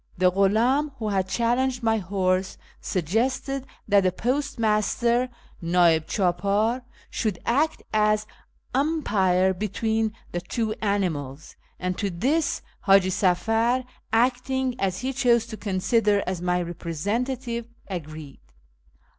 The ghiddni who had " challenged " my horse suggested that the post master {nd'ib clidpdr) should act as umpire between the two animals, and to this Haji Safar (acting, as he chose to consider, as my representative) agreed.